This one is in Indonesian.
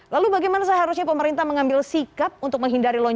lalu bagaimana seharusnya pemerintah mengambil sikap untuk menghindari